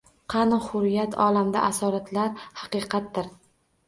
Qani hurriyat olamda asoratlar haqiqatdir